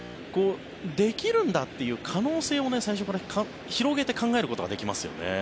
できるんだっていう可能性を最初から広げて考えることができますよね。